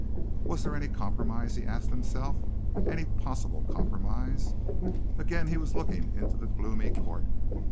Was there any compromise, he asked himself, any possible compromise? Again he was looking into the gloomy court.